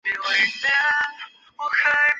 芮氏双珠螺为左锥螺科双珠螺属下的一个种。